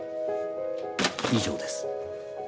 以上です。